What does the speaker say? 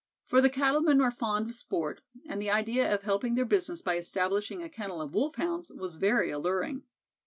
For the cattle men are fond of sport, and the idea of helping their business by establishing a kennel of Wolfhounds was very alluring.